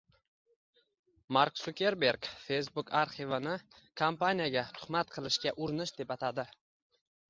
Mark Sukerberg Facebook arxivini kompaniyaga tuhmat qilishga urinish deb atadi